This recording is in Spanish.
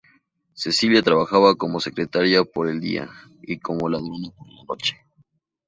Cecilia trabaja como secretaria por el día, y como ladrona por la noche.